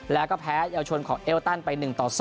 แล้วก็แพ้เยาวชนของเอเวิร์ตันไป๑๒